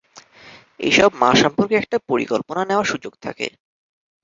এসব মা সম্পর্কে একটা পরিকল্পনা নেওয়ার সুযোগ থাকে।